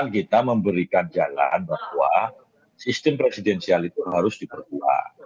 kita memberikan jalan bahwa sistem presidensial itu harus diperkuat